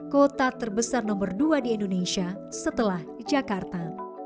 kota terbesar nomor dua di indonesia setelah jakarta